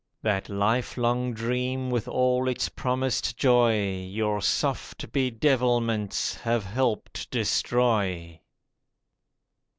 That lifelong dream with all its promised joy Your soft bedevilments have helped destroy.